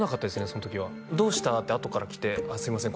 その時は「どうした？」ってあとから来て「あっすいません」